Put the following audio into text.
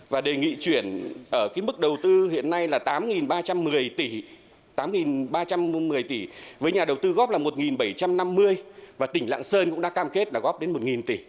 và đề nghị chuyển ở mức đầu tư hiện nay là tám ba trăm một mươi tỷ với nhà đầu tư góp một bảy trăm năm mươi và tỉnh lạng sơn cũng đã cam kết góp đến một tỷ